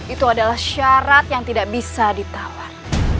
itu adalah syarat yang tidak bisa ditawar